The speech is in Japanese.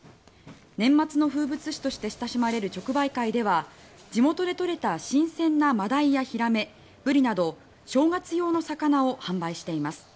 年末の風物詩として親しまれる直売会では地元で取れた新鮮なマダイやヒラメ、ブリなど正月用の魚を販売しています。